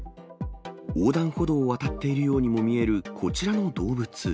横断歩道を渡っているようにも見えるこちらの動物。